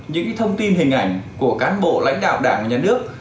những thông tin hình ảnh của cán bộ lãnh đạo đảng nhà nước